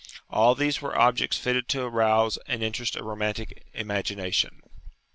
All these were objects fitted to arouse and interest a romantic imagination.